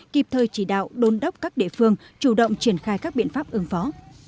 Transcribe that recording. kịp thời chỉ đạo đôn đốc các địa phương chủ động triển khai các biện pháp ứng phó